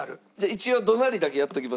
一応どなりだけやっときますね。